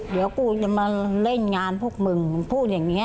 เดี๋ยวกูจะมาเล่นงานพวกมึงพูดอย่างนี้